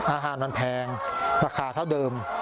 อาหารมันแพงราคาเท่าเดิม